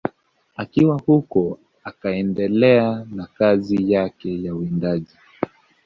Akiwa huko akaendelea na kazi yake ya uwindaji